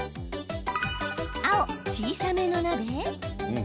青・小さめの鍋。